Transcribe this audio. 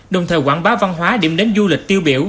đồng thời quảng bá văn hóa điểm đến du lịch tiêu biểu